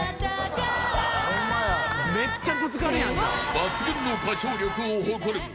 ［抜群の歌唱力を誇るも］